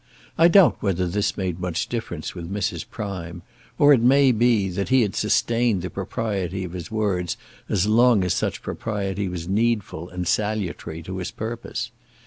I doubt whether this made much difference with Mrs. Prime; or it may be, that he had sustained the propriety of his words as long as such propriety was needful and salutary to his purpose.